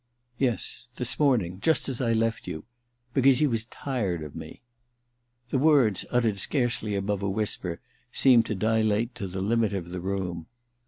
*Yes. This morning. Just as I left you. Because he was tired of me.' The words, uttered scarcely above a whisper, seemed to dilate to the limit of the room.